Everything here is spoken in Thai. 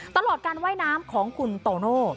ตลอดการว่ายน้ำของคุณโตโน่